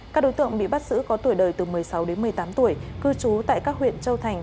các đối tượng bị bắt giữ có tuổi đời từ một mươi sáu đến một mươi tám tuổi cư trú tại các huyện châu thành